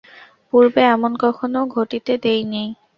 পূর্বে এমন কখনো ঘটিতে দিই নাই।